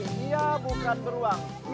dia bukan beruang